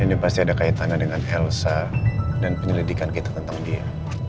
ini pasti ada kaitannya dengan elsa dan penyelidikan kita tentang dia